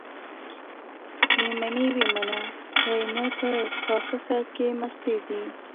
که يې منې ويې منه؛ که نه په کاکښه کې مستې دي.